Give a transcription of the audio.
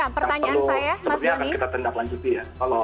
yang perlu sebenarnya akan kita tindak lanjuti ya